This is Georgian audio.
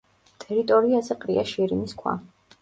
ტერიტორიაზე ყრია შირიმის ქვა.